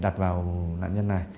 đặt vào nạn nhân này